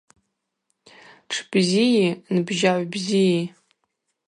Тшбзии нбжьагӏв бзии.